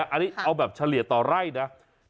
อันนี้เอาแบบเฉลี่ยต่อไร่นะ